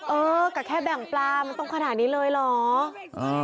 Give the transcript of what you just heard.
เออก็แค่แบ่งปลามันต้องขนาดนี้เลยเหรอ